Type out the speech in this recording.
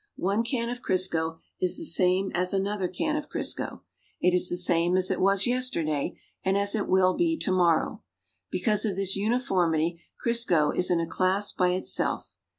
One can of Crisco is the same as another can of Crisco. It is the same as it was yesterday and as it will be fo morrow. Because of this uniformity Crisco is in a class by itself.